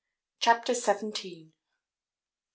CHAPTER SEVENTEEN MR.